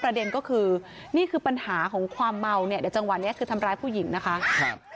ประเด็นก็คือนี่คือปัญหาของความเมาเนี่ยเดี๋ยวจังหวะนี้คือทำร้ายผู้หญิงนะคะครับ